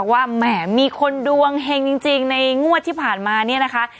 แหมมีคนดวงเฮงจริงในงวดที่ผ่านมาเนี่ยนะคะ